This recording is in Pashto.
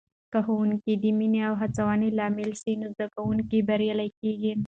که ښوونکې د مینې او هڅونې لامل سي، نو زده کوونکي بریالي کېږي.